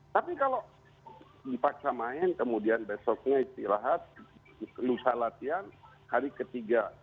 tapi kalau dipaksa main kemudian besoknya istirahat lusa latihan hari ketiga